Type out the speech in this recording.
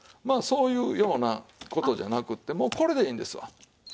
まあそういうような事じゃなくてもうこれでいいんですわ。